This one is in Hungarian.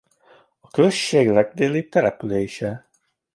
A község legdélibb települése.